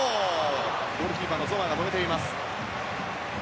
ゴールキーパーのゾマーが止めています。